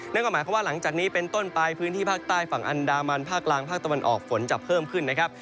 นั่นก็หมายความว่าหลังจากนี้เป็นต้นไปพื้นที่ภาคใต้ฝั่งอันดามันภาคกลางภาคตะวันออกฝนจะเพิ่มขึ้นนะครับ